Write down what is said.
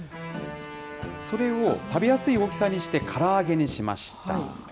それを食べやすい大きさにして、から揚げにしました。